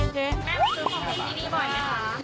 แม่มาซื้อของนี้ดีบ่อยไหมครับ